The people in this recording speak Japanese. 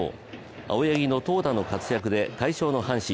青柳の投打の活躍で快勝の阪神。